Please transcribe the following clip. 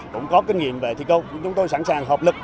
cũng có kinh nghiệm về thi công chúng tôi sẵn sàng hợp lực